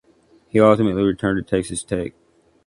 He ultimately returned to Texas Tech.